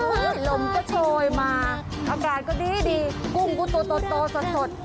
อุ้ยลมก็โชยมาอากาศก็ดีดีกุ้งกูโตโตโตโตสดสด